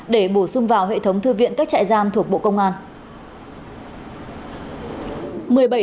để bổ sung vào hệ thống thư viện các trại giam thuộc bộ công an